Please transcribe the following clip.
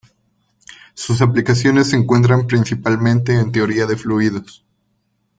Sus aplicaciones se encuentran principalmente en teoría de fluidos.